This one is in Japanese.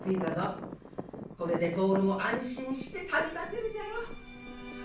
これで徹も安心して旅立てるじゃろう。